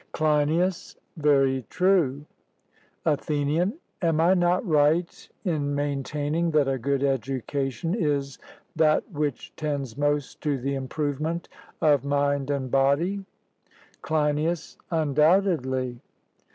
CLEINIAS: Very true. ATHENIAN. Am I not right in maintaining that a good education is that which tends most to the improvement of mind and body? CLEINIAS: Undoubtedly.